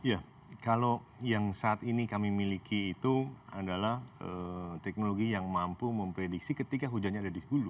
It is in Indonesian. ya kalau yang saat ini kami miliki itu adalah teknologi yang mampu memprediksi ketika hujannya ada di hulu